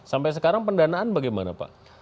sampai sekarang pendanaan bagaimana pak